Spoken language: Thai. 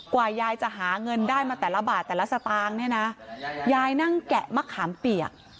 ยายจะหาเงินได้มาแต่ละบาทแต่ละสตางค์เนี่ยนะยายนั่งแกะมะขามเปียก